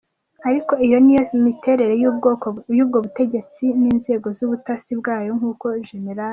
Ariko iyo niyo miterere y’ubwo butegetsi n’inzego z’ubutasi bwayo nkuko Jenerali.